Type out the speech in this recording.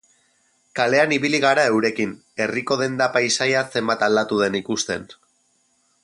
Kalean ibili gara eurekin, herriko denda paisaia zenbat aldatu den ikusten.